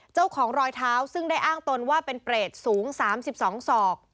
เจ้าของรอยเท้าซึ่งได้อ้างตนว่าเป็นเปรตสูง๓๒ศอก